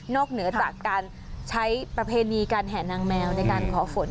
เหนือจากการใช้ประเพณีการแห่นางแมวในการขอฝน